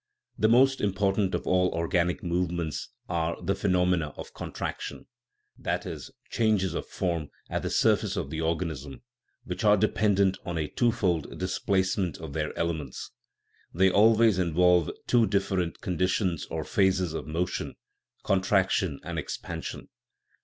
The most important of all organic movements are the phenomena of contraction i.e., changes of form at the surface of the organism, which are dependent on a twofold displacement of their elements ; they always involve two different conditions or phases of motion contraction and expansion.